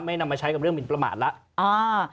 นำมาใช้กับเรื่องหมินประมาทแล้ว